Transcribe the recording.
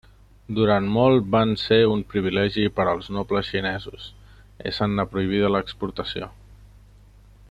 Durant molt van ser un privilegi per als nobles xinesos, essent-ne prohibida l'exportació.